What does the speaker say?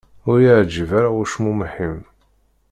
Ur i-yeεǧib ara ucmumeḥ-im.